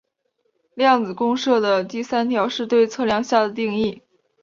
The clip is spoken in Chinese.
量子公设的第三条是对测量下的定义。